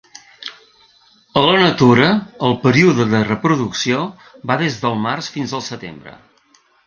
A la natura el període de reproducció va des del març fins al setembre.